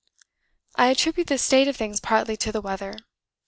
I attribute this state of things partly to the weather.